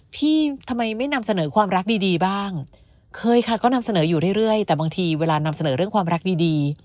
พี่ทำไมไม่นำเสนอความรักดีดีบ้างเคยค่ะก็นำเสนออยู่เรื่อยแต่บางทีเวลานำเสนอเรื่องความรักดีดี